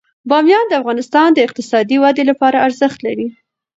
بامیان د افغانستان د اقتصادي ودې لپاره ارزښت لري.